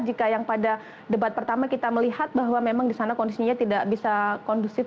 jika yang pada debat pertama kita melihat bahwa memang di sana kondisinya tidak bisa kondusif